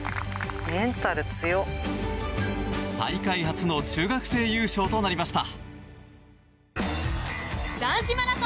大会初の中学生優勝となりました。